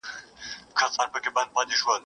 هره پېغله هره ښکلې د مُلا د سترګو خارکې ..